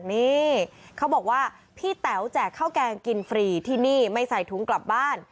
นี่เขาบอกว่าพี่แต๋วแจกข้าวแกงกินฟรีที่นี่ไม่ใส่ถุงกลับบ้าน